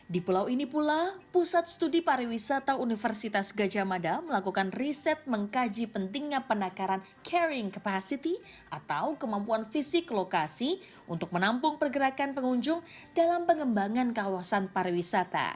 di pulau ini pula pusat studi pariwisata universitas gajah mada melakukan riset mengkaji pentingnya penakaran carring capacity atau kemampuan fisik lokasi untuk menampung pergerakan pengunjung dalam pengembangan kawasan pariwisata